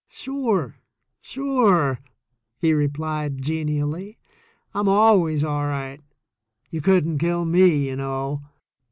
"Sure, sure," he replied genially; "I'm always all right. You couldn't kill me, you know.